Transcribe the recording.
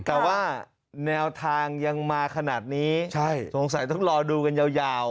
แต่ว่าแนวทางยังมาขนาดนี้ใช่สงสัยต้องรอดูกันยาว